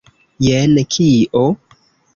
Jen kio?